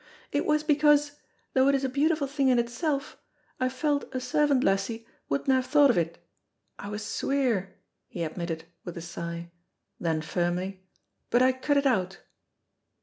"It was because, though it is a beautiful thing in itself, I felt a servant lassie wouldna have thought o't. I was sweer," he admitted, with a sigh; then firmly, "but I cut it out."